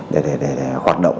để hoạt động